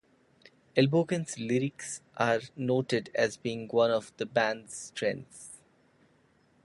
Elbogen's lyrics are noted as being one of the band's strengths.